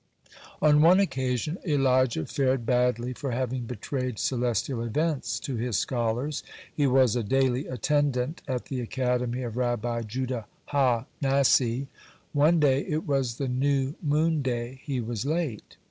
(82) On one occasion Elijah fared badly for having betrayed celestial events to his scholars. He was a daily attendant at the academy of Rabbi Judah ha Nasi. One day, it was the New Moon Day, he was late.